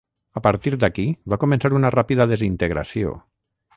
A partir d'aquí va començar una ràpida desintegració.